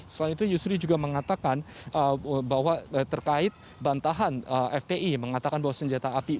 selain itu yusri juga mengatakan bahwa terkait bantahan fpi mengatakan bahwa senjata api